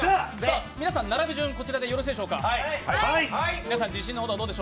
皆さん、並び順、こちらでよろしいでしょうか。